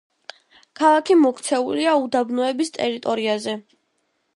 ქალაქი მოქცეულია უდაბნოების ტერიტორიაზე.